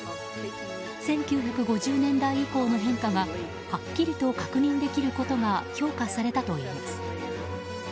１９５０年代以降の変化がはっきりと確認できることが評価されたといいます。